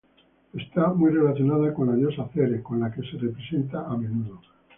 Está muy relacionada con la diosa Ceres, con la que se representa a menudo.